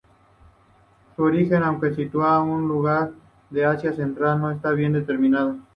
Su origen, aunque situado en algún lugar de Asia Central, no está bien determinado.